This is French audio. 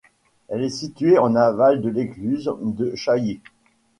Elle est située en aval de l’écluse de Chailly.